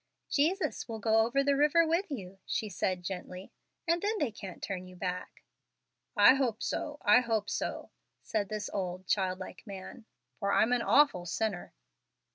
"Jesus will go over the river with you," she said, gently, "and then they can't turn you back." "I hope so, I hope so," said this old, child like man, "for I'm an awful sinner."